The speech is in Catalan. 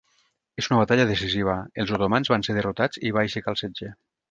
En una batalla decisiva, els otomans van ser derrotats i va aixecar el setge.